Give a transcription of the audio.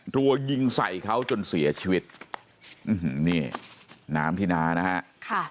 รัวยิงใส่เขาจนเสียชีวิตอืมนี่น้ำที่นานะฮะค่ะ